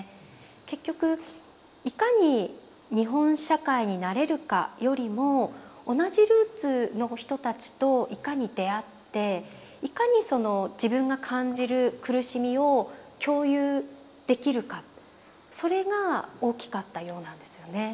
結局いかに日本社会に慣れるかよりも同じルーツの人たちといかに出会っていかにその自分が感じる苦しみを共有できるかそれが大きかったようなんですよね。